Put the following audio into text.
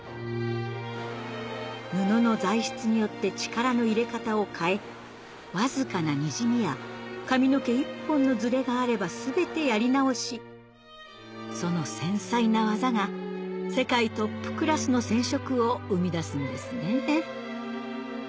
布の材質によって力の入れ方を変えわずかなにじみや髪の毛一本のズレがあれば全てやり直しその繊細な技が世界トップクラスの染色を生み出すんですね